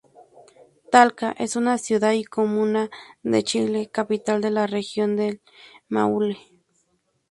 Talca es una ciudad y comuna de Chile, capital de la región del Maule.